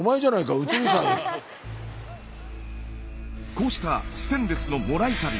こうしたステンレスのもらいサビ。